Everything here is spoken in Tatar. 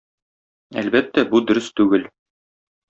Әлбәттә, бу дөрес түгел.